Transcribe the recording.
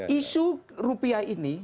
isu rupiah ini